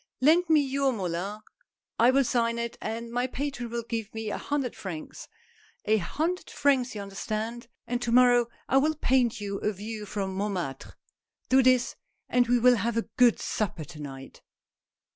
Lend me your Moulin ; I will sign it, and my patron will give me a hundred francs, — a hundred francs, you understand; — and to morrow I will paint you a view from Montmartre. Do this and we will have a good supper to night."